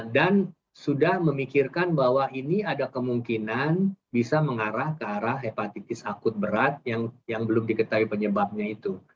dan sudah memikirkan bahwa ini ada kemungkinan bisa mengarah ke arah hepatitis akut berat yang belum diketahui penyebabnya itu